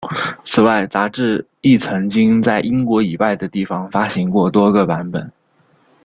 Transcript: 此外杂志亦曾经在英国以外的地方发行过多个版本。